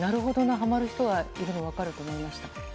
はまる人がいるのも分かるなと思いました。